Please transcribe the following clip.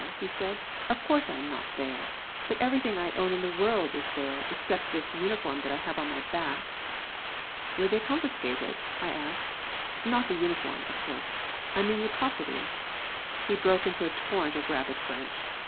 he said. "Of course I am not there. But everything I own in the world is there, except this uniform that I have on my back." "They would confiscate it?" I asked. "Not the uniform, of course; I mean your property." He broke into a torrent of rapid French.